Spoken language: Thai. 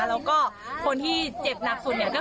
แล้วก็คนที่เจ็บหนักสุดเนี่ย